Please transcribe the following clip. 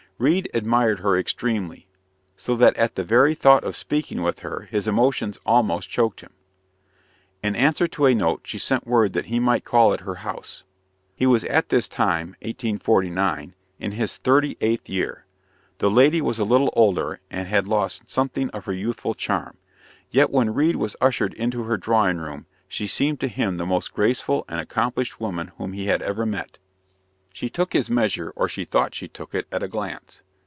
Reade admired her extremely, so that at the very thought of speaking with her his emotions almost choked him. In answer to a note, she sent word that he might call at her house. He was at this time (1849) in his thirty eighth year. The lady was a little older, and had lost something of her youthful charm; yet, when Reade was ushered into her drawing room, she seemed to him the most graceful and accomplished woman whom he had ever met. She took his measure, or she thought she took it, at a glance.